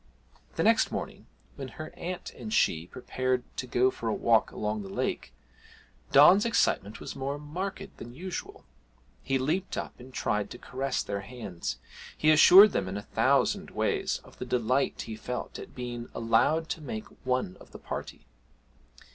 The next morning, when her aunt and she prepared to go for a walk along the lake, Don's excitement was more marked than usual; he leaped up and tried to caress their hands: he assured them in a thousand ways of the delight he felt at being allowed to make one of the party.